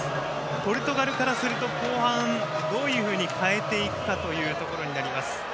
ポルトガルからすると後半、どういうふうに変えていくかということになります。